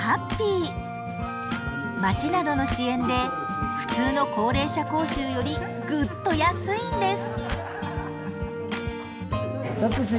町などの支援で普通の高齢者講習よりグッと安いんです。